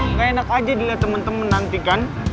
nggak enak aja dilihat temen temen nanti kan